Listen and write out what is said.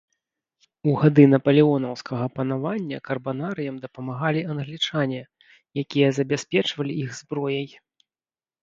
У гады напалеонаўскага панавання карбанарыям дапамагалі англічане, якія забяспечвалі іх зброяй.